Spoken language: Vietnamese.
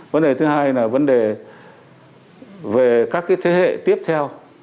vấn đề thứ hai là vấn đề về các thế hệ tiếp theo